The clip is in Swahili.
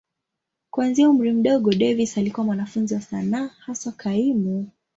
Kuanzia umri mdogo, Davis alikuwa mwanafunzi wa sanaa, haswa kaimu.